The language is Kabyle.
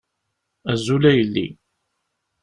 Azul a yelli.